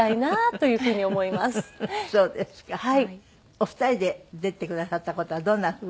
お二人で出てくださった事はどんなふう？